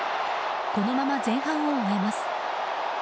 このまま前半を終えます。